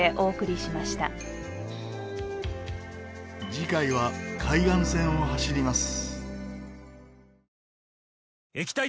次回は海岸線を走ります。